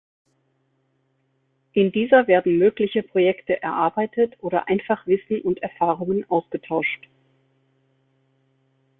In dieser werden mögliche Projekte erarbeitet oder einfach Wissen und Erfahrungen ausgetauscht.